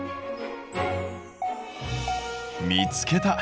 見つけた。